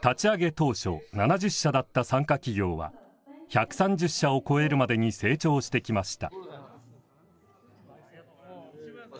当初７０社だった参加企業は１３０社を超えるまでに成長してきました。